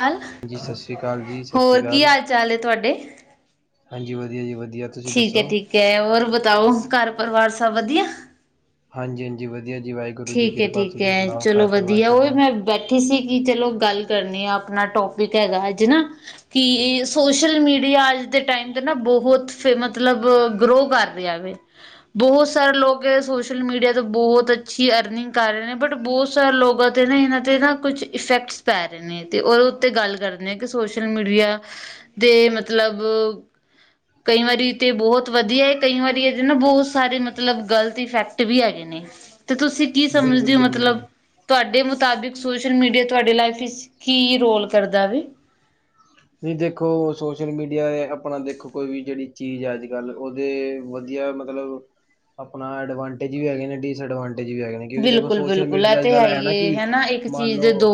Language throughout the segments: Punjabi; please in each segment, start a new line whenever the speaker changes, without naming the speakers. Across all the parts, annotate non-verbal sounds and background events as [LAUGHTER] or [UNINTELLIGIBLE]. ਕਾਲ,
ਜੀ ਸਤਿ ਸ਼੍ਰੀ ਅਕਾਲ ਜੀ ਸਤਿ ਸ਼੍ਰੀ
ਹੋਰ ਕੀ
ਅਕਾਲ
ਹਾਲ ਚਾਲ ਏ ਤੁਹਾਡੇ?
ਹਾਂਜੀ, ਵਧੀਆ ਜੀ ਵਧੀਆ। ਤੁਸੀਂ
ਠੀਕ
ਦੱਸੋ
ਐ, ਠੀਕ ਐ, ਹੋਰ ਬਤਾਓ ਘਰ ਪਰਿਵਾਰ ਸਭ ਵਧੀਆ?
ਹਾਂਜੀ-ਹਾਂਜੀ ਵਧੀਆ ਜੀ ਵਾ
ਠੀਕ ਐ, ਠੀਕ ਐ, ਚਲੋ ਵਧੀਆ ਉਹ ਵੀ ਮੈਂ ਬੈਠੀ ਸੀ ਕਿ ਚਲੋ ਗੱਲ ਕਰਨੀ ਆ ਆਪਣਾ ਟੋਪ ਕ ਹੈਗਾ ਅੱਜ ਨਾ ਕਿ ਸੋਸ਼ਲ ਮੀਡੀਆ ਅੱਜ ਦੇ ਟਾਈਮ ਤੇ ਨਾ ਬਹੁਤ ਫ ਮਤਲਬ ਗਰੋ ਕਰ ਰਿਹਾ ਵੈ ਬਹੁਤ ਸਾਰੇ ਲੋਕ ਸੋਸ਼ਲ ਮੀਡੀਆ ਤੋਂ ਬਹੁਤ ਅੱਛੀ ਅਰਨਿੰਗ ਕਰ ਰਹੇ ਨੇ, ਬਟ ਬਹੁਤ ਸਾਰੇ ਲੋਕਾਂ ਤੇ ਨਾ ਇਹਨਾਂ ਤੇ ਨਾ ਕੁਛ ਇਫੈਕਟ ਪੈ ਰਹੇ ਨੇ ਅਤੇ ਓਦੇ ਉੱਤੇ ਗੱਲ ਕਰਦੇ ਨੇ ਕਿ ਸੋਸ਼ਲ ਮੀਡੀਆ ਦੇ ਮਤਲਬ ਅ ਕਈ ਵਾਰੀ ਤੇ ਬਹੁਤ ਵਧੀਆ ਐ ਕਈ ਵਾਰੀ ਇਹਦੇ ਨਾ ਬਹੁਤ ਸਾਰੇ ਮਤਲਬ ਗ਼ਲਤ ਇਫੈਕਟ ਵੀ ਹੈਗੇ ਨੇ ਤੇ ਤੁਸੀਂ ਕੀ
ਬਿਲਕੁਲ
ਸਮਝਦੇ ਓ
ਜੀ
ਮਤਲਬ
ਬਿਲਕੁਲ
ਤੁਹਾਡੇ ਮੁਤਾਬਿਕ ਸੋਸ਼ਲ ਮੀਡੀਆ ਤੁਹਾਡੀ ਲਾਈਫ ਵਿੱਚ ਕੀ ਰੋਲ ਕਰਦਾ ਵੇ?
ਵੀ ਦੇਖੋ ਸੋਸ਼ਲ ਮੀਡੀਆ ਆਪਣਾ ਦੇਖੋ ਕੋਈ ਵੀ ਜਿਹੜੀ ਚੀਜ਼ ਅੱਜ-ਕੱਲ੍ਹ ਉਹਦੇ ਵਧੀਆ ਮਤ ਮਤਲਬ ਆਪਣਾ ਐਡਵਾਂਟੇਜ ਵੀ ਹੈਗੇ ਨੇ, ਡਿਸਐਡਵਾਂਟੇਜ ਵੀ ਹੈਗੇ ਨੇ। ਕਿਉਂਕਿ ਦੇਖੋ ਸੋਸ਼ਲ
ਬਿਲਕੁਲ-ਬਿਲਕੁਲ,
ਮੀਡੀਆ
ਐ
ਅੱਜ
ਤੇ ਹੈ
ਕੱਲ੍ਹ
ਈ
ਨਾ
ਏ
ਕਿ
ਹਨਾ, ਇੱਕ
ਮੰਨ
ਚੀਜ਼ ਦੇ
ਲਓ
ਦੋ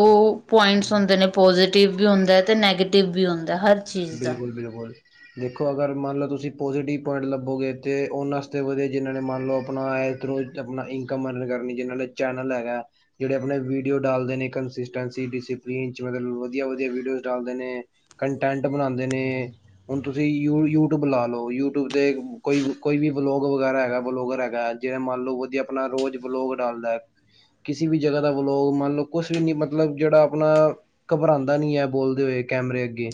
ਪੁਆਇੰਟਸ ਹੁੰਦੇ ਨੇ। ਪੋਜ਼ੀਟਿਵ ਵੀ ਹੁੰਦਾ ਐ ਤੇ ਨੈਗੇਟਿਵ ਵੀ ਹੁੰਦਾ ਐ ਹਰ ਚੀਜ਼ ਦਾ।
ਬਿਲਕੁਲ! ਬਿਲਕੁਲ ਦੇਖੋ ਅਗਰ ਮੰਨ ਲਓ ਤੁਸੀਂ ਪੋਜ਼ੀਟਿਵ ਪੁਆਇੰਟ ਲੱਭੋਗੇ ਤੇ ਓਨਾਂ ਆਸਤੇ ਵਧੀਆ ਜਿਨ੍ਹਾਂ ਨੇ ਮੰਨ ਲੋ ਅਪਨਾ ਏ [UNINTELLIGIBLE] ਤੇ ਅਪਨਾ ਇਨਕਮ ਅਰਨ ਕਰਨੀ ਜਿਨ੍ਹਾਂ ਨੇ ਚੈਨਲ ਹੈਗਾ। ਜਿਹੜੇ ਆਪਣੇ ਵੀਡੀਓ ਡਾਲਦੇ ਨੇ ਕੰਸਿਸਟੈਂਸੀ ਡਿਸਪਲੀਨ ਚ ਮਤਲਬ ਵਧੀਆ ਵਧੀਆ ਵੀਡੀਓਜ਼ ਡਾਲਦੇ ਨੇ ਟੈਂਟ ਬਣਾਂਦੇ ਨੇ ਹੁਣ ਤੁਸੀਂ ਯੂ-ਯੂ ਓ ਬੁਲਾ ਲੋ ਯੂਟਿਊਬ ਤੇ ਕੋਈ-ਕੋਈ ਵੀ ਬਲੋਗ ਵਗੈਰਾ ਹੈਗਾ, ਵਲੋਗਰ ਹੈਗਾ ਜਿਵੇਂ ਮੰਨ ਲਓ ਵਧੀਆ ਆਪਣਾ ਰੋਜ਼ ਬਲੋਗ ਡਾਲਦਾ ਕਿਸੇ ਵੀ ਜਗ੍ਹਾ ਦਾ ਵਲੋਗ ਮੰਨ ਲਓ ਕੁਛ ਵੀ ਨੀ ਮਤਲਬ ਜਿਹੜਾ ਆਪਣਾ ਘਬਰਾਦਾ ਨੀ ਐ ਬੋਲਦੇ ਹੋਏ ਕੈਮਰੇ ਅੱਗੇ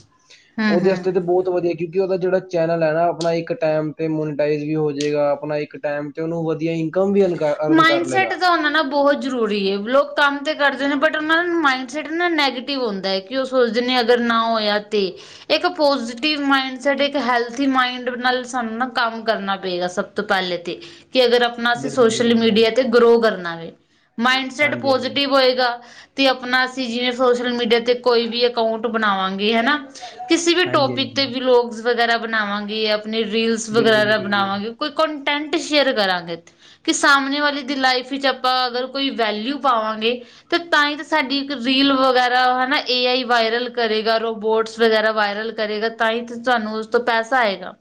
ਉਹ
ਹੂੰ-ਹੂੰ।
ਵਸਤੇ ਤੇ ਬਹੁਤ ਵਧੀਆ ਕਿਉਂਕਿ ਓਦਾ ਜੇੜਾ ਚੈਨਲ ਐ ਨਾ ਆਪਣਾ ਇੱਕ ਟਾਈਮ 'ਤੇ ਮੋਨੀਟਾਈਜ਼ ਵੀ ਹੋ ਜੇਗਾ, ਆਪਣਾ ਇੱਕ ਟਾਈਮ 'ਤੇ ਓਨੂੰ ਵਧੀਆ ਇਨਕ ਬੀਨ [UNINTELLIGIBLE] [INAUDIBLE]
ਮਾਇੰਡਸੈਟ ਦਾ ਹੋਨਾ ਨਾ ਬੋਤ ਜਰੂਰੀ ਏ, ਲੋਕ ਕੰਮ ਤੇ ਕਰਦੇ ਨੇ ਬਟ ਓਨਾਂ ਮਾਇੰਡਸੈਟ ਨਾ ਨੈਗ ਤੇ ਹੁੰਦਾ ਐ ਕਿ ਓ ਸੋਚਦੇ ਨੇ ਅਗਰ ਨਾ ਹੋਇਆ ਤੇ। ਇੱਕ ਪੋਜ਼ੀਟਿਵ ਮਾਇਂਡਸੈਟ, ਇੱਕ ਹੈਲਥੀ ਮਾਇਂਡ ਨਾਲ ਸਾਨੂੰ ਨਾ ਕੰਮ ਕਰਨਾ ਪਏਗਾ ਸਭ ਤੋਂ ਪਹਿਲੇ ਤੇ। ਕਿ ਅਗਰ ਆਪਣਾ ਅਸੀ
ਬਿਲਕੁਲ ਜੀ
ਸੋਸ਼ਲ
ਬਿਲਕੁਲ
ਮੀਡੀਆ ਤੇ ਗਰੋ ਕਰਨਾ ਵੇ ਮਾਈਡ ਸੈਟ
ਹਾਂਜੀ ਹਾਂਜੀ
ਪੋਜ਼ਟਿਵ ਹੋਏਗਾ ਤੇ ਅਪਨਾ ਅਸੀਂ ਜਿਵੇਂ ਸੋਸ਼ਲ ਮੀਡੀਆ ਤੇ ਕੋਈ ਵੀ ਅਕਾਊਂਟ ਬਨਾਵਾਂਗੇ ਹਨਾ। ਕਿਸੇ ਵੀ
ਹਾਂਜੀ
ਟੋਪਿਕ ਤੇ
ਹਾਂਜੀ
ਵਲੋਗਸ ਵਗੈਰਾ ਬਨਾਵਾਂਗੇ, ਆਪਣੇ ਰੀਲਸ
ਬਿਲਕੁਲ ਜੀ
ਵਗੈਰਾ
ਬਿਲਕੁਲ
ਬਨਾਵਾਂਗੇ। ਕੋਈ ਕੌਂਟੈਂਟ ਸ਼ੇਅਰ ਕਰਾਂਗੇ। ਕਿ ਸਾਮਣੇ ਵਾਲੇ ਦੀ ਲਾਈਫ ਚ ਆਪਾਂ ਅਗਰ ਕੋਈ ਵੈਲਿਊ ਪਾਵਾਂਗੇ ਤੇ ਤਾਂ ਹੀ ਤਾਂ ਸਾਡੀ ਇੱਕ ਰੀਲ ਵਗੈਰਾ ਹਨਾ ਏ ਆਈ ਵਾਇਰਲ ਕਰੇਗਾ ਰੋਬੋਟਸ। ਵਗੈਰਾ ਵਾਇਰਲ ਕਰੇਗਾ ਤਾਂ ਹੀ ਤੁਹਾਨੂੰ ਓਸ ਤੋਂ ਪੈਸਾ ਆਏਗਾ।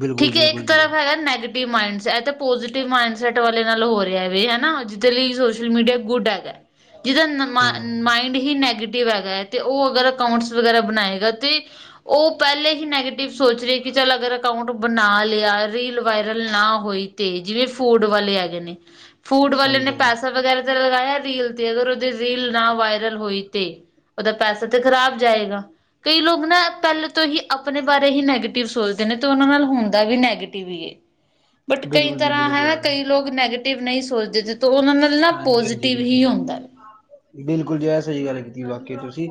ਬਿਲਕੁਲ
ਠੀਕ ਹੈ! ਇੱਕ
ਬਿਲਕੁਲ
ਤਰਫ਼ ਹੈਗਾ
ਜੀ
ਨੈਗੇਟਿਵ ਮਾਈਂਡ ਇਹ ਪੋਜ਼ਟਿਵ ਤੇ ਮਾਈਂਡ ਸੈੱਟ ਵਾਲੇ ਨਾਲ ਹੋ ਰਿਹਾ ਵੇ ਹਨਾ, ਜਿਦੇ ਲਈ ਸੋਸ਼ਲ ਮੀਡੀਆ ਗੁੱਡ ਹੈਗਾ ਐ। ਜਿਹਦਾ
ਹੂੰ। ਹਾਂਜੀ।
ਮਾਨ ਮਾਇਂਡ ਹੀ ਨੈਗੇਟਿਵ ਹੈਗਾ ਐ ਤੇ ਓ ਅਗਰ ਅਕਾਊਂਟਸ ਵਗੈਰਾ ਬਨਾਏਗਾ ਤੁਸੀਂ ਉਹ ਪਹਿਲੇ ਹੀ ਨੈਗੇਟਿਵ ਸੋਚ ਰਹੇ ਕਿ ਚੱਲ ਅਗਰ ਅਕਾਊਂਟ ਬਣਾ ਲਿਆ ਰੀਲ ਵਾਇਰਲ ਨਾ ਹੋਈ ਤੇ। ਫਿਰ ਫੂਡ ਵਾਲੇ ਹੈਗੇ ਨੇ, ਫੂਡ ਵਾਲੇ ਨੇ ਪੈਸਾ ਵਗੈਰਾ ਤੇ ਲਗਾਇਆ ਰੀਲ ਤੇ ਅਗਰ ਉਹਦੀ ਰੀਲ ਨਾ ਵਾਇਰਲ ਹੋਈ ਤੇ। ਉਹਦਾ ਪੈਸਾ ਤੇ ਖ਼ਰਾਬ ਜਾਏਗਾ। ਕਈ ਲੋਕ ਨਾ ਪਹਿਲ ਤੋਂ ਹੀ ਆਪਣੇ ਬਾਰੇ ਹੀ ਨੈਗੇਟਿਵ ਸੋਚਦੇ ਨੇ ਤੇ ਉਹਨਾਂ ਨਾਲ ਹੁੰਦਾ ਵੀ ਨੈਗੇਟਿਵ ਏ। ਬਟ ਕਈ
ਬਿਲਕੁਲ ਜੀ
ਤਰ੍ਹਾਂ ਹੈ
ਬਿਲਕੁਲ
ਨਾ ਕਈ ਲੋਕ ਨੈਗੇਟਿਵ ਨਹੀਂ ਸੋਚਦੇ ਤੇ ਤਾਂ ਉਹਨਾਂ ਨਾਲ ਨਾ
ਹਾਂਜੀ-ਹਾਂਜੀ
ਪੋਜ਼ੀਟਿਵ
ਬਿਲਕੁਲ।
ਹੀ ਹੁੰਦਾ।
ਬਿਲਕੁਲ ਜੀ, ਏ ਸਹੀ ਗੱਲ ਕੀਤੀ ਵਾਕਿਆ ਤੁਸੀਂ।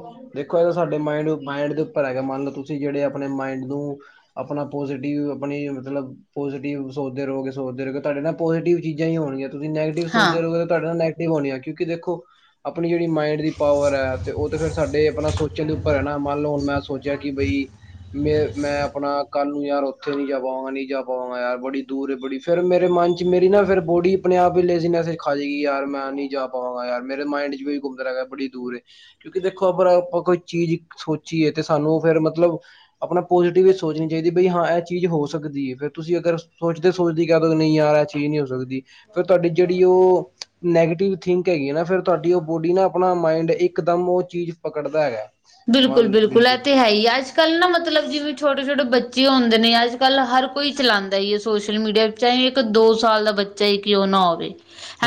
ਦੇਖੋ ਇਹ ਤਾਂ ਸਾਡੇ ਮਾਇੰਡ, ਮਾਇਂਡ ਦੇ ਉੱਪਰ ਹੈਗਾ ਮੰਨ ਲਓ ਤੁਸੀਂ ਜਿਹੜੇ ਆਪਣੇ ਮਾਇਂਡ ਨੂੰ ਆਪਣਾ ਪੋਜ਼ੀਟਿਵ ਆਪਣੀ ਮਤਲਬ। ਪੋਜ਼ਟਿਵ ਸੋਚਦੇ ਰਹੋਗੇ, ਸੋਚਦੇ ਰਹੋਗੇ, ਤੁਹਾਡੇ ਨਾਲ ਪੋਜ਼ੀਟਿਵ ਚੀਜ਼ਾਂ ਹੀ ਹੋਣਗੀਆਂ। ਤੁਸੀਂ ਨੈਗੇਟਿਵ
ਹਾਂ।
ਸੋਚਦੇ ਰਹੋਗੇ ਤੁਹਾਡੇ ਨਾਲ ਨੈਗੇਟਿਵ ਹੋਣੀਆਂ ਕਿਉਂਕਿ ਦੇਖੋ ਆਪਣੀ ਜਿਹੜੀ ਮਾਇੰਡ ਦੀ ਪਾਵਰ ਹੈ ਤੇ ਉਹ ਤਾਂ ਫਿਰ ਸਾਡੇ ਆਪਣਾ ਸੋਚਣ ਦੇ ਉੱਪਰ ਹੈ ਨਾ ਮੰਨ ਹੁਣ ਮੈਂ ਸੋਚਿਆ ਕਿ ਬਈ, ਮੈਂ ਮੈਂ ਆਪਣਾ ਕੱਲ ਯਾਰ ਉੱਥੇ ਨਹੀ ਜਾ ਪਾਵਾਂਗਾ ਨਹੀਂ ਜਾ ਪਾਵਾਂਗਾ ਯਾਰ ਬੜੀ ਦੂਰ ਏ ਬੜੀ, ਫਿਰ ਮੇਰੇ ਮਨ ਚ ਮੇਰੀ ਨਾ ਫਿਰ ਬੋਡੀ ਆਪਣੇ ਆਪ ਹੀ ਲੇਜ਼ੀਨੈਸ ਖਾ ਜੀ ਕਿ ਯਾਰ ਮੈਂ ਨੀ ਜਾ ਪਾਵਾਂਗਾ ਯਾਰ, ਮੇਰੇ ਮਾਇੰਡ ਚ ਵੀ ਘੁੰਮਦਾ ਹੈਗਾ ਬੜੀ ਦੂਰ ਏ। ਕਿਉਂਕਿ ਦੇਖੋ ਆਪਰ ਆਪ ਕੋਈ ਚੀਜ਼ ਸੋਚੀਏ ਤੇ ਸਾਨੂੰ ਫਿਰ ਮਤਲਬ, ਆਪਣਾ ਪੋਜ਼ੀਟਿਵ ਵੀ ਸੋਚਣੀ ਚਾਹੀਦੀ ਬਈ ਹਾਂ ਇਹ ਚੀਜ਼ ਹੋ ਸਕਦੀ ਹੈ, ਫੇਰ ਤੁਸੀਂ ਅਗਰ ਸੋਚਦੇ- ਸੋਚਦੇ ਕਹਿ ਦੋ ਨਹੀਂ ਯਾਰ ਇਹ ਚੀਜ਼ ਨਹੀਂ ਹੋ ਸਕਦੀ। ਫਿਰ ਤੁਹਾਡੀ ਜਿਹੜੀ ਉਹ ਨੈਗੇਟਿਵ ਥਿੰਕ ਹੈਗੀ ਨਾ ਫਿਰ ਤੁਹਾਡੀ, ਉਹ ਬੋਡੀ ਨਾ ਆਪਣਾ ਮਾਇੰਡ ਇਕਦਮ ਉਹ ਚੀਜ਼ ਪਕੜ
ਬਿਲਕੁਲ -ਬਿਲਕੁਲ ਇਹ ਤੇ ਹੈ ਹੀ ਅੱਜ। ਅੱਜ ਕੱਲ੍ਹ ਨਾ ਮਤਲਬ ਜਿਵੇਂ ਛੋਟੇ- ਛੋਟੇ ਬੱਚੇ ਹੁੰਦੇ ਨੇ, ਅੱਜ ਕੱਲ੍ਹ ਹਰ ਕੋਈ ਚਲਾਉਂਦਾ ਹੀ ਹੈ ਸੋਸ਼ਲ ਮੀਡੀਆ। ਚਾਹੇ ਇੱਕ ਦੋ ਸਾਲ ਦਾ ਬੱਚਾ ਕਿਉ ਨਾ ਹੋਵੇ।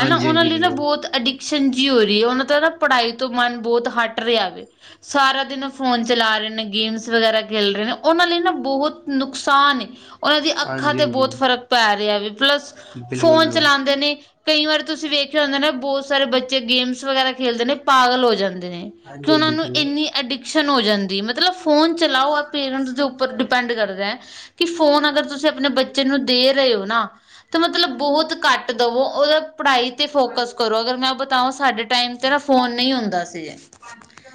ਹਨਾ ਉਹਨਾਂ ਲਈ ਨਾ ਬਹੁਤ ਅਡਿਕਸ਼ਨ ਜਿਹੀ ਹੋ ਰਹੀ ਹੈ, ਉਹਨਾਂ ਦਾ ਨਾ ਪੜ੍ਹਾਈ ਤੋਂ ਮਨ ਬਹੁਤ ਹਟ ਰਿਹਾ ਵੇ। ਸਾਰਾ ਦਿਨ ਫੋਨ ਚਲਾ ਰਹੇ ਨੇ ਗੇਮਸ ਵਗੈਰਾ ਖੇਡ ਰਹੇ ਨੇ, ਉਹਨਾਂ ਲਈ ਨਾ ਬਹੁਤ ਨੁਕਸਾਨ ਏ। ਉਹਨਾਂ ਦੀ ਅੱਖਾਂ ਤੇ ਬਹੁਤ ਫ਼ਰਕ ਪੈ ਰਿਹਾ ਵੀ, ਪਲੱਸ ਫੋਨ ਚਲਾਉਂਦੇ ਨੇ ਕਈ ਵਾਰ ਤੁਸੀਂ ਵੇਖਿਆ ਹੁੰਦੇ ਨੇ ਬਹੁਤ ਸਾਰੇ ਬੱਚੇ ਗੇਮਸ ਵਗੈਰਾ ਖੇਲਦੇ ਨੇ ਪਾਗਲ ਹੋ ਜਾਂਦੇ ਨੇ। ਕਿ ਉਹਨਾ ਨੂੰ ਇੰਨੀ ਐਡਿਕ ਐਕਸ਼ਨ ਹੋ ਜਾਂਦੀ ਮਤਲਬ ਫੋਨ ਚਲਾਓ ਪੇਰੈਂਟਸ ਦੇ ਉੱਪਰ ਡਿਪੈਂਡ ਕਰਦਾ ਹੈ। ਕਿ ਫੋਨ ਅਗਰ ਤੁਸੀਂ ਆਪਣੇ ਬੱਚੇ ਨੂੰ ਦੇ ਰਹੇ ਹੋ ਨਾ, ਤਾਂ ਮਤਲਬ ਬਹੁਤ ਘੱਟ ਦੇਵੋ ਉਹਦਾ ਪੜ੍ਹਾਈ ਤੇ ਫੋਕਸ ਕਰੋ, ਅਗਰ ਮੈਂ ਬਤਾਵਾਂ ਸਾਡੇ ਟਾਈਮ ਤੇ ਨਾ ਫੋਨ ਨਹੀਂ ਹੁੰਦਾ ਸੀ। [INAUDIBLE]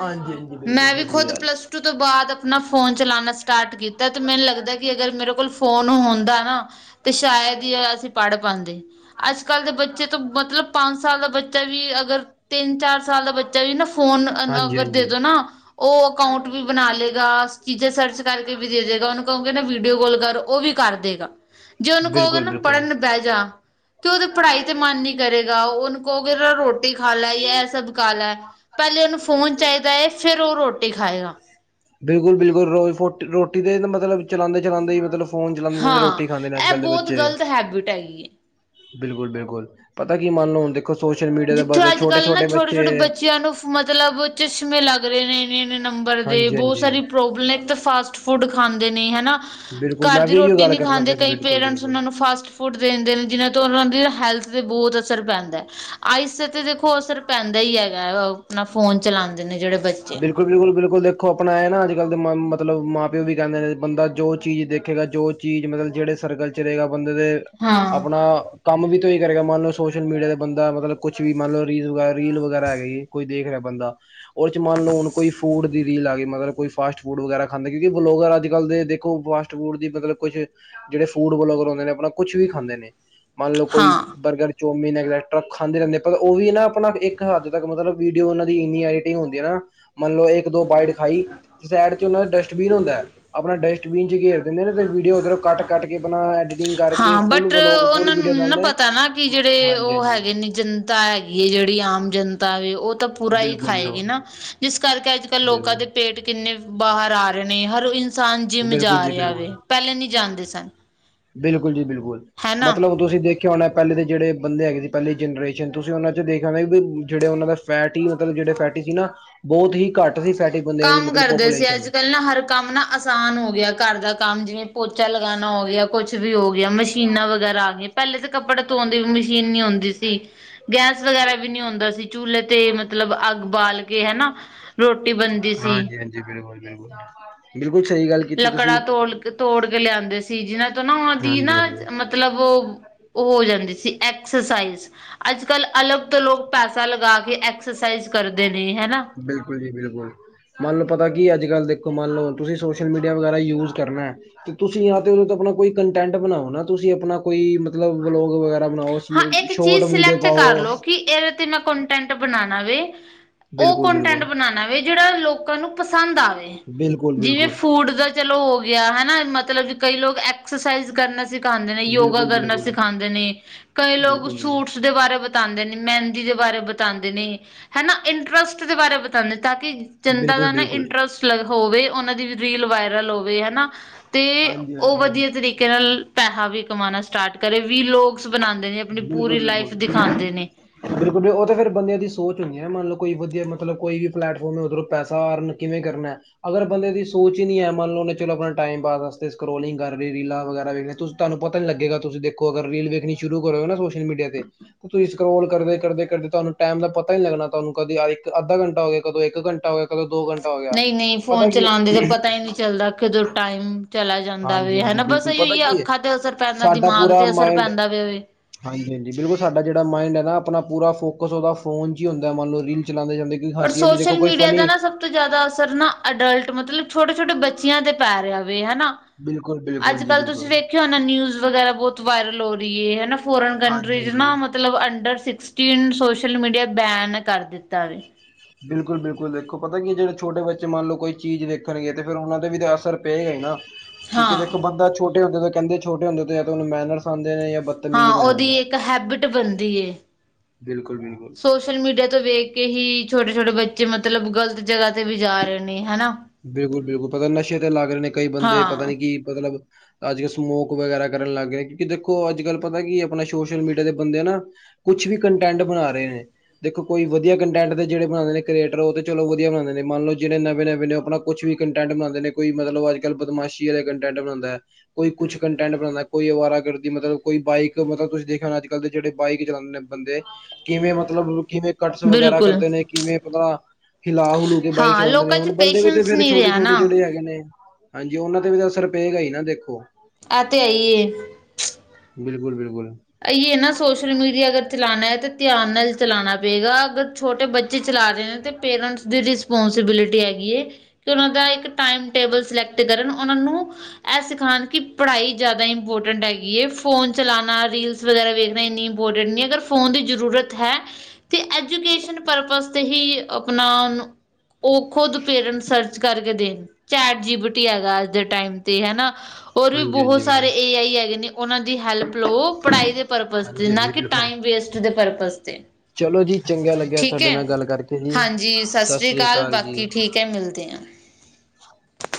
ਹਾਂਜੀ।
ਮੈਂ ਵੀ ਖੁਦ ਪਲੱਸ ਪਲਸਟੂ ਤੋਂ ਬਾਅਦ ਆਪਣਾ ਫੋਨ ਚਲਾਉਣਾ ਸਟਾਰਟ ਕੀਤਾ ਅਤੇ। ਮੈਨੂੰ ਲੱਗਦਾ ਕਿ ਅਗਰ ਮੇਰੇ ਕੋਲ ਫੋਨ ਹੁੰਦਾ ਨਾ ਤੇ ਸ਼ਾਇਦ ਹੀ ਆ, ਅਸੀਂ ਪੜ੍ਹ ਪਾਉਂਦੇ। ਅੱਜ ਕੱਲ੍ਹ ਦੇ ਬੱਚੇ ਤਾਂ ਮਤਲਬ ਪੰਜ ਸਾਲ ਦਾ ਬੱਚਾ ਵੀ ਅਗਰ ਤਿੰਨ ਚਾਰ ਸਾਲ ਦਾ ਬੱਚਾ ਵੀ ਨਾ ਫੋਨ, ਅਗਰ ਦੇ ਦੋ ਨਾ ਉਹ ਅਕਾਊਂਟ ਵੀ ਬਣਾ ਲਏਗਾ, ਚੀਜ਼ਾਂ ਸਰਚ ਕਰਕੇ ਵੀ ਦੇ ਦੇਵੇਗਾ ਉਹਨੂੰ ਕਹੋਗੇ ਨਾ ਵੀਡੀਓ ਕਾਲ ਕਰ ਉਹ ਵੀ ਕਰ ਦੇਗਾ।
[INAUDIBLE]
ਜੇ ਉਹਨੂੰ ਕਹੋਗੇ
ਬਿਲਕੁਲ ਬਿਲਕੁਲ
ਨਾ ਪੜ੍ਹਨ ਬਹਿ ਜਾ ਕਿ ਉਹਦੀ ਪੜ੍ਹਾਈ ਤੇ ਮਨ ਨੀ ਕਰੇਗਾ, ਉਹਨੂੰ ਕਹੋਗੇ ਰੋਟੀ ਖਾ ਲੈ ਜਾਂ ਇਹ ਸਭ ਖਾ ਲੈ ਪਹਿਲੇ ਉਹਨੂੰ ਫੋਨ ਚਾਹੀਦਾ ਹੈ, ਫਿਰ ਉਹ ਰੋਟੀ ਖਾਏਗਾ।
ਬਿਲਕੁਲ, ਬਿਲਕੁਲ ਰੋਜ਼ ਰੋਟੀ ਦੇ ਮਤਲਬ ਚਲਾਉਂਦੇ, ਚਲਾਉਂਦੇ ਹੀ ਮਤਲਬ ਫੋਨ ਚਲਾਉਂਦੇ ਜਾਂਦੇ ਰੋਟੀ
ਹਾਂ
ਰੋਟੀ ਖਾਂਦੇ ਨੇ ਅੱਜ
ਇਹ
ਕੱਲ ਦੇ
ਬਹੁਤ
ਬੱਚੇ,
ਗ਼ਲਤ ਹੈਬਿਟ ਹੈਗੀ ਹੈ
ਬਿਲਕੁਲ -ਬਿਲਕੁਲ ਪਤਾ ਕੀ ਮੰਨ ਲਓ ਹੁਣ ਦੇ ਸੋਸ਼ਲ ਮੀਡੀਆ
ਜਿੱਥੇ
ਬਦਲੇ
ਅੱਜ ਕੱਲ੍ਹ ਨਾ ਛੋਟੇ
ਬੱਚੇ
-ਛੋਟੇ ਬੱਚਿਆਂ ਨੂੰ ਮਤਲਬ, ਚਸ਼ਮੇ ਲੱਗ ਲੱਗ ਰਹੇ ਨੇ ਇੰਨੇ -ਇਨੇ ਨੰਬਰ ਦੇ
ਹਾਂਜੀ
ਬਹੁਤ
ਹਾਂਜੀ
ਸਾਰੀ ਪ੍ਰੋਬਲਮ ਇੱਕ ਤਾਂ ਫਾਸਟ ਫੂਡ ਖਾਂਦੇ ਨੇ ਹਨਾ
ਬਿਲਕੁਲ
ਘਰ
ਮੈਂ
ਦੀ
ਵੀ ਇਹੀਓ
ਰੋਟੀ
ਗੱਲ
ਨਹੀਂ
ਕਰਨਾ
ਖਾਂਦੀ
ਪਿਆ ਸੀ
ਕਈ
ਬਿਲਕੁਲ
ਪੇਰੈਂਟਸ ਉਹ
ਬਿਲਕੁਲ
ਨੂੰ ਫਾਸਟ ਫੂਡ ਦੇ ਦਿੰਦੇ ਨੇ ਜਿਹਨਾਂ ਤੋਂ ਉਹਨਾਂ ਦੀ ਹੈਲਥ ਤੇ ਬਹੁਤ ਅਸਰ ਪੈਂਦਾ ਹੈ ਆਈਸ ਤੇ ਦੇਖੋ ਅਸਰ ਪੈਂਦਾ ਹੀ ਹੈਗਾ ਆਪਣਾ ਫੋਨ ਚਲਾਉਂਦੇ ਨੇ ਜਿਹੜੇ ਬੱਚੇ
ਬਿਲਕੁਲ-ਬਿਲਕੁਲ -ਬਿਲਕੁਲ ਦੇਖ ਦੇਖੋ ਆਪਣਾ ਇਹ ਨਾ ਅੱਜ ਕੱਲ੍ਹ ਦੇ ਮ ਮਤਲਬ ਮਾਂ ਪਿਓ ਵੀ ਕਹਿੰਦੇ ਨੇ ਬੰਦਾ ਜੋ ਚੀਜ਼ ਦੇਖੇਗਾ ਜੋ ਚੀਜ਼ ਮਤਲਬ ਜਿਹੜੇ ਸਰਗਲ 'ਚ ਰਹੇਗਾ ਬੰਦੇ ਦੇ
ਹਾਂ।
ਆਪਣਾ ਕੰਮ ਵੀ ਤੇ ਹੀ ਕਰੇਗਾ ਮੰਨ ਲਓ ਸੋਸ਼ਲ ਮੀਡੀਆ ਤੇ ਬੰਦਾ ਮਤਲਬ ਕੁਛ ਕੁਛ ਵੀ ਮਤਲਬ ਰੀਲ ਵਗੈਰਾ, ਰੀਲ ਵਗੈਰਾ ਹੈਗੇ ਜੀ ਕੋਈ ਦੇਖ ਰਿਹਾ ਬੰਦਾ ਉਹਦੇ ਮੰਨ ਲਓ, ਹੁਣ ਕੋਈ ਫੂਡ ਦੀ ਰੀਲ ਆ ਗਈ ਮਤਲਬ ਕੋਈ ਫਾਸਟ ਫੂਡ ਵਗੈਰਾ ਖਾਂਦੇ, ਕਿਉਂਕਿ ਲੋਕ ਅੱਜ-ਕੱਲ ਦੇਖੋ, ਫਾਸਟ ਫੂਡ ਦੀ ਮਤਲਬ ਕੁਛ ਜਿਹੜੇ ਫੂਡ ਵਲੋਗ ਬਣਾਦੇ ਨੇ ਆਪਣਾ ਕੁਛ ਵੀ ਖਾਂਦੇ ਨੇ ਮੰਨ ਲਓ, ਕੋਈ
ਹਾਂ।
ਬਰਗਰ ਜੋ ਮਹੀਨ ਟਰੱਕ ਖਾਂਦੇ ਰਹਿੰਦੇਰ ਉਹ ਵੀ ਨਾ ਆਪਣਾ ਇੱਕ ਹੱਦ ਤੱਕ ਮਤਲਬ ਵੀਡੀਓ ਉਹਨਾ ਦੀ ਇੰਨੀ ਐਡੀਟਿੰਗ ਹੁੰਦੀ। ਹਨਾ, ਮੰਨ ਲਓ, ਇੱਕ ਦੋ ਬਾਈਟ ਖਾਈ ਸਾਈਡ ਚ ਉਹ ਦਾ ਡਸਟਬੀਨ ਹੁੰਦਾ ਹੈ, ਆਪਣਾ ਡਸਟਬੀਨ ਚ ਤੇ ਵੀਡੀਓ ਉੱਧਰੋਂ ਕੱਟ-ਕੱਟ ਕੇ ਆਪਣਾ ਐਡੀਟਿੰਗਕੇ
ਹਾਂ
ਫੁਲ
ਬਟ
ਬਲੋਗ ਫੁਲ
ਉਹਨਾਂ
ਵੀਡੀਓ
ਨੂੰ ਨਾ
ਨਾਲ
ਪਤਾ ਨਾ ਕਿ ਜਿਹੜੇ ਉਹ ਹੈਗੇ ਨੇ, ਜਨਤਾ ਹੈਗੀ ਹੈ, ਜਿਹੜੀ ਆਮ ਜਨਤਾ ਵ ਉਹ ਤਾਂ ਪੂਰਾ ਹੀ
ਬਿਲਕੁਲ
ਖਾਏਗੀ
ਬਿਲਕੁਲ
ਨਾ। ਜਿਸ ਕਰਕੇ ਅੱਜ-ਕੱਲ੍ਹ ਲੋਕਾਂ ਦੇ ਪੇਟ ਕਿੰਨੇ ਬਾਹਰ ਆ ਰਹੇ
ਬਿਲਕੁਲ
ਨੇ, ਹਰ ਇਨਸਾਨ ਜਿੰਮ ਜਾ
ਬਿਲਕੁਲ ਜੀ
ਰਿਹਾ ਵ, ਪਹਿਲੇ ਨਹੀਂ ਜਾਣਦੇ
ਬਿਲਕੁਲ
ਸਨ।
ਬਿਲਕੁਲ ਜੀ ਬਿਲਕੁਲ,
ਹੈਨਾ।
ਮਤਲਬ ਤੁਸੀਂ ਦੇਖੇ। ਕਿਉਂਣਾ ਪਹਿਲੇ ਦੇ ਜਿਹੜੇ ਬੰਦੇ ਹੈਗੇ ਸੀ, ਪਹਿਲੀ ਜਨਰੇਸ਼ਨ ਤੁਸੀਂ ਉਹਨਾਂ 'ਚ ਦੇਖਿਆ ਆਉਦੇ ਵੀ ਜਿਹੜੇ ਉਹਨਾਂ ਦਾ ਫੈ ਮਤਲਬ ਜਿਹੜੇ ਫੈਟੀ ਸੀ ਨਾ, ਬਹੁਤ ਹੀ ਘੱਟ ਸੀ ਫੈਟੀ ਬੰਦਿਆਂ ਦੀ ਮਤਲਬ ਪਪੂਲੇਸ਼ਨ
ਪਹਿਲ ਨਾ ਹਰ ਕੰਮ ਨਾ ਆਸਾਨ ਹੋ ਗਿਆ, ਘਰ ਦਾ ਕੰਮ ਜਿਵੇਂ ਪੋਚਾ ਲਗਾਣਾ ਹੋ ਗਿਆ, ਕੁਛ ਵੀ ਹੋ ਗਿਆ ਮਸ਼ੀਨਾਂ ਵਗੈਰਾ ਆ। ਪਹਿਲੇ ਤਾਂ ਕੱਪੜੇ ਧੋਣ ਦੀ ਵੀ ਮਸ਼ੀਨ ਨੀ ਆਉਂਦੀ ਸੀ, ਗੈਸ ਵਗੈਰਾ ਵੀ ਨੀ ਆਉਂਦੀ ਸੀ ਚੂਲੇ ਤੇ ਮਤਲਬ ਅੱਗ ਬਾਲ ਕੇ ਹਨਾ ਰੋਟੀ ਬਣਦੀ ਸੀ।
ਬਿਲਕੁਲ, ਬਿਲਕੁਲ, ਬਿਲਕੁਲ, ਸਹੀ ਗੱਲ ਕੀਤੀ ਤੁਸੀਂ
ਲੱਕੜਾ ਤੋੜ ਤੋੜ ਕੇ ਲਿਆਦੇ ਸੀ, ਜਿਹਨਾਂ ਤੋਂ ਨਾ ਉਹਨਾਂ ਦੀ ਨਾ
ਹਾਂਜੀ ਹਾਂਜੀ
ਮਤਲਬ ਉਹ ਉਹ ਹੋ ਜਾਂਦੀ ਸੀ। ਐਕਸਰਸਾਈਜ਼ ਅੱਜ-ਕੱਲ ਅਲੱਗ ਤੋਂ ਲੋਕ ਪੈਸਾ ਲਗਾ ਕੇ, ਐਕਸਰਸਾਈਜ਼ ਕਰਦੇ ਨੇ ਹਨਾ।
ਬਿਲਕੁਲ ਜੀ ਬਿਲਕੁਲ, ਮੰਨ ਲਓ ਪਤਾ ਕੀ ਅੱਜ-ਕੱਲ੍ਹ ਦੇਖੋ ਮੰਨ ਲੋ, ਤੁਸੀਂ ਸੋਸ਼ਲ ਮੀਡੀਆ ਵਗੈਰਾ ਯੂਜ ਕਰਨਾ। ਤੇ ਤੁਸੀਂ ਜਾਂ ਤੇ ਉਹਦੇ ਤੋਂ ਆਪਣਾ ਕੋਈ ਕੰਟੈਂਟ ਬਣਾਓ, ਨਾ ਤੁਸੀਂ ਆਪਣਾ ਕੋਈ ਮਤਲਬ ਵਲੋਗ ਵਗੈਰਾ। ਸੁਣਾਓ,
ਹਾਂ ਇੱਕ ਚੀਜ਼
ਸ਼ੋਰਟ ਵੀਡੀਓ
ਸਿਲੈਕਟ
ਪਾਓ।
ਕਰ ਲਓ ਕਿ ਇਹਦੇ ਤੇ ਮੈਂ ਕੋਂਟੈਂਟ ਬਣਾਣਾ ਵੇ, ਉਹ
ਬਿਲਕੁਲ ਬਿਲਕੁਲ
ਕੋਂਟੈਂਟ ਬਣਾਣਾ ਵੇ ਜਿਹੜਾ ਲੋਕਾਂ ਨੂੰ ਪਸੰਦ ਆਵੇ,
ਬਿਲਕੁਲ ਬਿਲਕੁਲ
ਜਿਵੇਂ ਫੂਡ ਦਾ ਚਲੋ ਹੋ ਗਿਆ ਹਨਾ, ਮਤਲਬ ਕਈ ਲੋਕ ਐਕਸਰਸਾਈਜ਼ ਕਰਨਾ। ਸਿਖਾਉਂਦੇ ਨੇ ਯੋਗਾ
ਬਿਲਕੁਲ
ਕਰਨਾ
ਬਿਲਕੁਲ
ਸਿਖਾਉਂਦੇ ਨੇ ਕਈ ਲੋਕ
ਬਿਲਕੁਲ
ਸੂਟ ਦੇ ਬਾਰੇ ਬਤਾਉਂਦੇ ਨੇ ਮਹਿੰਦੀ ਦੇ ਬਾਰੇ ਬਤਾਉਂਦੇ ਨੇ, ਹੈ ਨਾ ਇੰਟਰਸਟ ਦੇ ਬਾਰੇ ਬਤਾਉਂਦੇ ਤਾਂ, ਕਿ ਜਨਤਾ ਦਾ
ਬਿਲਕੁਲ
ਨਾ
ਬਿਲਕੁਲ
ਇੰਟਰਸਟ ਹੋਵੇ, ਉਹਨਾਂ ਦੀ ਰੀਲ ਵਾਇਰਲ ਹੋਵੇ ਹਨਾ, ਤੇ
ਹਾਂਜੀ
ਉਹ
ਹਾਂਜੀ
ਵਧੀਆ ਤਰੀਕੇ ਨਾਲ ਪੈਸਾ ਵੀ ਕਮਾਉਣਾ ਸਟਾਰਟ ਕਰੇ ਵੀ, ਲੋਕ ਬਣਾਉਂਦੇ ਨੇ ਆਪਣੀ
ਬਿਲਕੁਲ
ਪੂਰੀ ਲਾਈਫ
ਬਿਲਕੁਲ
ਦਿਖਾਉਂਦੇ ਨੇ।
ਬਿਲਕੁਲ ਉਹ ਤਾਂ ਫਿਰ ਬਦਿਆਂ ਦੀ ਸੋਚ ਹੁੰਦੀ ਹੈ, ਨਾ ਮੰਨ ਲਓ ਕੋਈ ਵਧੀਆ ਮਤਲਬ ਕੋਈ ਵੀ। ਪਲੈਟਫਾਰਮ ਹੈ, ਉੱਧਰੋਂ ਪੈਸਾ ਅਰਨ ਕਿਵੇਂ ਕਰਨਾ? ਅਗਰ ਬੰਦੇ ਦੀ ਸੋਚ ਹੀ ਨੀ ਹੈ ਮੰਨ ਲਓ ਚਲੋ, ਆਪਣਾ ਟਾਈਮ ਪਾਸ ਸਕੋਲਿੰਗ ਕਰ, ਲਈਹੇ ਰੀਲਾਂ ਵਗੈਰਾ ਵਖ ਲਹੇ ਤੁਸੀਂ ਤੁਹਾਨੂੰ ਪਤਾ ਨੀ ਲੱਗੇਗਾ, ਤੁਸੀ ਦੇਖੋ ਅਗਰ ਰੀਲ ਵੇਖਣੀ ਸ਼ੁਰੂ ਹੋ ਸੋਸ਼ਲ ਮੀਡੀਆ ਤੇ ਤੇ ਤੁਸੀਂ ਸਕੋਲ ਕਰਦੇ, ਕਰਦੇ, ਕਰਦੇ ਤੁਹਾਨੂੰ ਟਾਈਮ ਦਾ ਪਤਾ ਹੀ ਨਹੀਂ ਲੱਗਣਾ, ਤੁਹਾਨੂੰ ਕਦੀ ਇੱਕ ਅਧਾ ਘੰਟਾ ਹੋ ਗਿਆ, ਕਦੋਂ ਇੱਕ ਘੰਟਾ ਹੋਗਾ। ਕਦੋਂ ਦੋ ਘੰਟਾ ਹੋ ਗਿਆ,
ਨਹੀਂ ਨਹੀਂ
ਪਤਾ
ਫੋਨ
ਕੀ ਹੈ।
ਚਲਾਉਂਦੇ ਤਾਂ ਪਤਾ ਹੀ ਨਹੀਂ ਚੱਲਦਾ ਕਦੋਂ ਟਾਈਮ ਚਲਾ ਜਾਂਦਾ
ਹਾਂਜੀ
ਵੇ
ਹਾਂਜੀ,
ਹਨਾ ਬਸ
ਬਿਲਕੁਲ
ਇਹੀ
ਪਤਾ
ਹੀ
ਕੀ ਹੈ
ਅੱਖਾਂ ਤੇ ਅਸਰ ਪੈਂਦਾ
ਸਾਡਾ
ਦਿਮਾਗ
ਪੂਰਾ
ਤੇ ਅਸਰ
ਮਾਇੰਡ
ਪੈਂਦਾ ਵੇ ਵੇ
ਹਾਂਜੀ-ਹਾਂਜੀ, ਬਿਲਕੁਲ ਸਾਡਾ ਜਿਹੜਾ ਮਾਈੰਡ ਹੈ ਨਾ ਆਪਣਾ ਪੂਰਾ ਫੋਕ ਕੁਸ ਓਦਾ ਫੋਨ 'ਚ ਈ ਹੁੰਦਾ ਮੰਨਲੋ, ਰੀਲ ਚਲਾਂਦੇ ਕਈ
ਪਰ
ਹਸੀ ਜਾਂਦੇ ਦੇਖੋ
ਸੋਸ਼ਲ
ਕੋਈ
ਮੀਡੀਆ
ਫਨੀ
ਦਾ ਨਾ ਸਭ ਤੋਂ ਜ਼ਿਆਦਾ ਅਸਰ ਨਾ ਅਡਲਟ ਮਤਲਬ, ਛੋਟੇ-ਛੋਟੇ ਬੱਚਿਆਂ ਤੇ ਪੈ ਰਿਹਾ ਵੇ ਹਨਾ।
ਬਿਲਕੁਲ ਬਿਲਕੁਲ ਜੀ
ਅੱਜ-ਕੱਲ੍ਹ ਤੁਸੀਂ
ਬਿਲਕੁਲ
ਵੇਖਿਆ ਹੋਣਾ ਨਿਊਜ਼ ਵਗੈਰਾ ਬਹੁਤ ਵਾਇਰਲ ਹੋ ਰਹੀ ਏ ਹਨਾ ਫੋਰਨ
ਹਾਂਜੀ
ਕੰਟਰੀਜ਼
ਹਾਂਜੀ
ਨਾਅ ਮਤਲਬ, under sixteen social media ban ਕਰ ਦਿੱਤਾ ਵੇ।
ਬਿਲਕੁਲ-ਬਿਲਕੁਲ, ਦੇਖੋ ਪਤਾ ਕੀ ਏ ਜਿਹੜੇ ਛੋਟੇ ਬੱਚੇ ਮੰਨ ਲਓ ਕੋਈ ਚੀਜ਼ ਦੇਖਣਗੇ, ਤੇ ਫਿਰ ਉਹਨਾਂ ਦੇ ਵੀ ਅਸਰ ਪੇਗਾ ਈ ਨਾ ਕਿਉਂਕਿ
ਹਾਂ
ਦੇਖੋ, ਬੰਦਾ ਛੋਟੇ ਹੁੰਦੇ ਤਾਂ ਕਹਿੰਦੇ ਛੋਟੇ ਹੁੰਦੇ ਤਾਂ ਉਹਨੂੰ ਮੈਨਰ ਫਾਦੇ ਨੇ ਜਾਂ ਬਤਮੀਜ਼
ਹਾਂ
ਬਣ ਜਾਂਦਾ
ਉਹਦੀ
ਐ,
ਇੱਕ ਹੈਬਿਟ ਬਣਦੀ ਏ
ਬਿਲਕੁਲ-ਬਿਲਕੁਲ।
ਸੋਸ਼ਲ ਮੀਡੀਆ ਤੋਂ ਵੇਖ ਕੇ, ਹੀ ਛੋਟੇ-ਛੋਟੇ ਬੱਚੇ ਮਤਲਬ ਗ਼ਲਤ ਜਗ੍ਹਾ ਤੇ ਵੀ ਜਾ ਰਹੇ ਨੇ ਹਨਾ।
ਬਿਲਕੁਲ-ਬਿਲਕੁਲ ਪਤਾ ਨਸ਼ੇ ਤੇ ਲੱਗ ਰੇ ਨੇ ਕਈ ਬੰਦੇ ਪਤਾ
ਹਾਂ।
ਨੀ ਕਿ ਮਤਲਬ ਅੱਜ-ਕੱਲ੍ਹ ਸਮੋਕ ਵਗੈਰਾ ਕਰਨ ਲੱਗ ਗਏ ਕਿਉਂਕਿ ਦੇਖੋ ਅੱਜ-ਕੱਲ ਪਤਾ ਕਿ ਏ ਆਪਣਾ ਸੋਸ਼ਲ ਮੀਡੀਆ ਦੇ ਬੰਦੇ ਨਾ ਕੁਛ ਵੀ ਕੰਟੈਂਟ ਬਣਾ ਰੇ ਨੇ ਦੇਖੋ ਕੋਈ ਵਧੀਆ ਕੰਟੈਂਟ ਦੇ ਜਿਹੜੇ ਬਣਾਂਦੇ ਨੇ ਕ੍ਰੀਏਟਰ ਉਹ ਤ ਚਲੋ ਵਧੀਆ ਵਣਾਂਦੇ ਨੇ ਮੰਨ ਲਓ ਜੇੜੇ ਨਵੇਂ-ਨਵੇਂ ਨੇ ਆਪ ਕੁਛ ਵੀ ਕੰਟੈਂਟ ਬਣਾਂਦੇ ਨੇ ਕੋਈ ਮਤਲਬ ਅੱਜ-ਕਲ ਬਦਾਮਸ਼ ਸੀ ਆਲੇ ਕੰਟੈਂਟ ਬਣਾਦੇਅ। ਕੋਈ ਕੁਛ ਕੰਟੈਂਟ ਬਣਾਂਦਾ ਕੋਈ ਅਵਾਰਾ ਗਰਦੀ ਮਤਲਬ ਕੋਈ ਬਾਈਕ ਮਤਲਬ ਤੁਸੀਂ ਦੇਖਿਆ ਹੋਣਾ ਅੱਜ-ਕੱਲ ਦੇ ਜਿਹੜੇ ਬਾਈਕ ਚਲਾਂਦੇ ਨੇ। ਬੰਦੇ ਕਿਵੇਂ ਮਤਲਬ ਕਿਵੇਂ ਕਟਸ ਵਗੈਰਾ
ਬਿਲਕੁਲ
ਕਰਦੇ ਨੇ ਕਿਵੇਂ ਪਦ ਹਿਲਾ ਹੁਲੂ ਕੇ ਬਾਈਕ
ਹਾਂ
ਚਲਾਂਦੇ ਨੇ
ਲੋਕਾਂ ਚ
ਹੁਣ ਬੰਦੇ ਵੀ ਤੇ
ਪੇਸ਼ੈਂਸ
ਫੇਰ
ਨਹੀਂ ਰਿਹਾ
ਛੋਟੇ-ਛੋਟੇ
ਨਾ।
ਜਿਹੜੇ ਹੈਗੇ ਨੇ। ਹਾਂਜੀ ਉਹਨਾਂ ਤੇ ਵੀ ਤਾਂ ਅਸਰ ਪੇਗਾ ਈ ਨਾ ਦੇਖੋ।
ਐ ਤੇ ਅਈਏ।
ਬਿਲਕੁਲ-ਬਿਲਕੁਲ।
ਅਈਏ ਨਾ ਸੋਸ਼ਲ ਮੀਡੀਆ ਅਗਰ ਚਲਾਂਣਾ ਐ ਤੇ ਧਿਆਨ ਨਾਲ ਚਲਾਂਣਾ ਪੇਗਾ ਅਗਰ ਛੋਟੇ ਬੱਚੇ ਚਲਾ ਰੇ ਨੇ ਤੇ ਪੇਰੈਂਟਸ ਦੀ ਰਿਸਪੋਂਸੀਬਿਲਿਟੀ ਹੈਗੀ ਏ। ਕਿ ਉਹਨਾਂ ਦਾ ਇੱਕ ਟਾਈਮ ਟੇਬਲ ਸਿਲੈਕਟ ਕਰਨ ਉਹਨਾਂ ਨੂੰ ਇਹ ਸਿਖਾਣ ਕਿ ਪੜ੍ਹਾਈ ਜ਼ਿਆਦਾ ਇੰਪੋਰਟੈਂਟ ਹੈਗੀ ਏ ਫੋਨ ਚਲਾਣਾ ਰੀਲਸ ਵਗੈਰਾ ਵੇਖਣਾ ਇੰਨੀ ਇੰਪੋਰਟੈਂਟ ਨਈ ਅਗਰ ਫੋਨ ਦੀ ਜ਼ਰੂਰਤ ਹੈ ਤੇ ਐਜੂਕੇਸ਼ਨ ਪਰਪਜ਼ ਤੇ ਹੀ ਆਪਣਾ ਉਹਨੂੰ ਉਹ ਖੁਦ ਪੇਰੈਂਟਸ ਸਰਚ ਕਰਕੇ ਦੇਣ ਚੈਟ ਜੀਬੀਟੀ ਹੈਗਾ ਅੱਜ ਦੇ ਟਾਈਮ ਤੇ ਹੈਨਾ। ਹੋਰ ਵੀ
ਹਾਂਜੀ ਹਾਂਜੀ
ਬਹੁਤ
ਬਿਲਕੁਲ
ਸਾਰੇ ਏ ਆਈ ਹੈਗੇ ਨੇ ਉਹਨਾਂ ਦੀ ਹੈਲਪ ਲੋ। ਪੜ੍ਹਾਈ ਦੇ ਪਰਪਸ਼ ਤੇ
ਹਾਂਜੀ
ਨਾ
ਹਾਂਜੀ
ਕਿ
ਬਿਲਕੁਲ
ਟਾਈਮ ਵੇਸਟ ਦੇ ਪਰਪਸ਼ ਤੇ।
ਚਲੋ ਜੀ ਚੰਗਾ ਲੱਗਿਆ
ਠੀਕ ਐ
ਤੁਹਾਡੇ ਨਾਲ ਗੱਲ ਕਰਕੇ ਜੀ
ਹਾਂਜੀ ਸਤਿ ਸ਼੍ਰੀ ਅਕਾਲ ਬਾਕੀ ਠੀਕ ਕੇ ਮਿਲਦੇ ਆ‌।